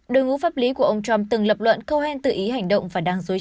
đội ngũ pháp lý của ông trump từng lập luận cohen tự ý hành động và đang dối trá